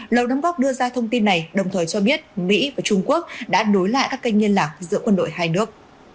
lầu đông bóc đưa ra thông tin này đồng thời cho biết mỹ và trung quốc đã đối lại các kênh liên lạc giữa quân đội hai nước